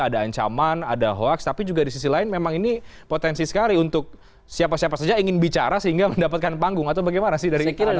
ada ancaman ada hoax tapi juga di sisi lain memang ini potensi sekali untuk siapa siapa saja ingin bicara sehingga mendapatkan panggung atau bagaimana sih dari